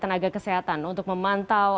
tenaga kesehatan untuk memantau